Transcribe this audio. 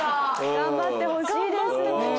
頑張ってほしいですもん。